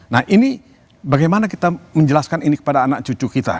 nah ini bagaimana kita menjelaskan ini kepada anak cucu kita